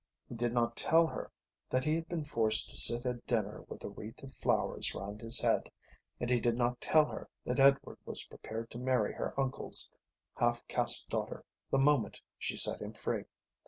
He did not tell her that he had been forced to sit at dinner with a wreath of flowers round his head and he did not tell her that Edward was prepared to marry her uncle's half caste daughter the moment she set him free.